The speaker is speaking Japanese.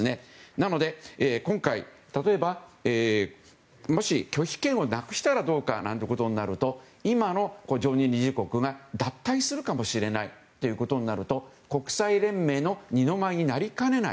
なので、例えばもし拒否権をなくしたらどうかなんてことになると今の常任理事国が脱退するかもしれないということになると国際連盟の二の舞になりかねない。